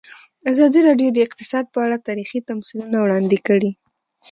ازادي راډیو د اقتصاد په اړه تاریخي تمثیلونه وړاندې کړي.